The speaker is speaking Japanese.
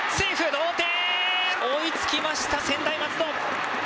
同点に追いつきました専大松戸。